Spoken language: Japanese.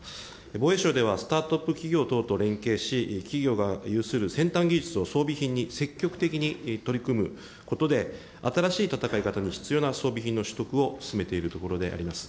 防衛省では、スタートアップ企業等と連携し、企業が有する先端技術を装備品に積極的に取り組むことで、新しい戦い方に必要な装備品の取得を進めているところであります。